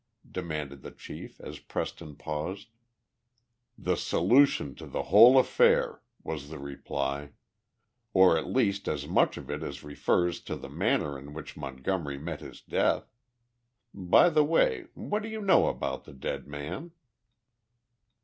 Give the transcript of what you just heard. demanded the chief, as Preston paused. "The solution to the whole affair," was the reply. "Or, at least, as much of it as refers to the manner in which Montgomery met his death. By the way, what do you know about the dead man?"